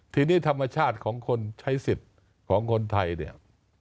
ทีนี้ธรรมชาติของคนใช้สิทธิ์ของคนไทยเนี่ย